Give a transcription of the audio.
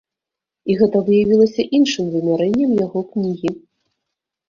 І гэта выявілася іншым вымярэннем яго кнігі.